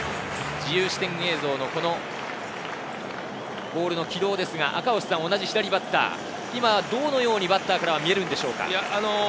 自由視点映像のボールの軌道ですが、同じ左バッター、今どのようにバッターから見えますかね。